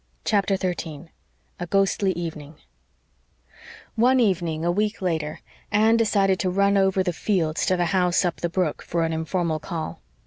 CHAPTER 13 A GHOSTLY EVENING One evening, a week later, Anne decided to run over the fields to the house up the brook for an informal call.